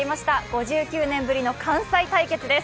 ５９年ぶりの関西対決です。